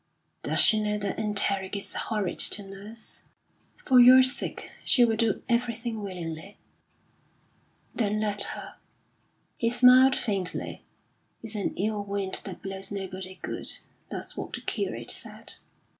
"Does she know that enteric is horrid to nurse?" "For your sake she will do everything willingly." "Then let her." He smiled faintly. "It's an ill wind that blows nobody good. That's what the curate said."